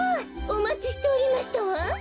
おまちしておりましたわん。